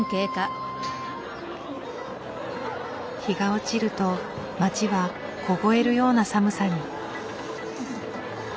日が落ちると街は凍えるような寒さに。